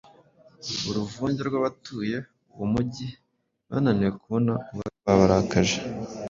Uruvunge rw’abatuye uwo mujyi bananiwe kubona uwari wabarakaje,